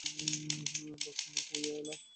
বাজতো নাকি ঐ বেল!